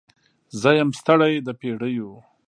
زه یم ستړې د پیړیو